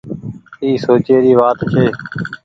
اي سوچي ري وآت ڇي۔